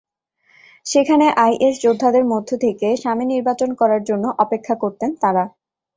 সেখানে আইএস যোদ্ধাদের মধ্য থেকে স্বামী নির্বাচন করার জন্য অপেক্ষা করতেন তাঁরা।